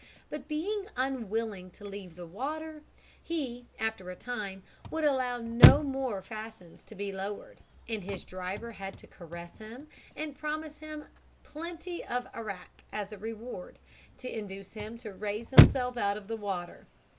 But, being unwilling to leave the water, he after a time would allow no more fascines to be lowered; and his driver had to caress him, and promise him plenty of arrack as a reward, to induce him to raise himself out of the water.